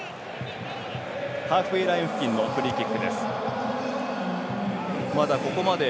ハーフウェーライン付近のフリーキックです。